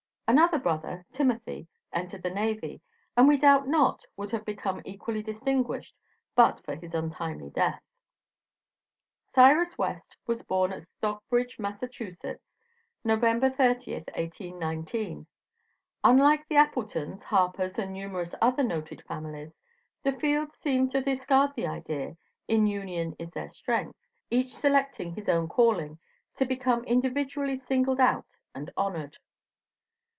Another brother, Timothy, entered the navy, and we doubt not would have become equally distinguished but for his untimely death. Cyrus West, was born at Stockbridge, Massachusetts, November 30th, 1819. Unlike the Appletons, Harpers and numerous other noted families, the Fields seemed to discard the idea "in union is there strength," each selecting his own calling, to become individually singled out and honored.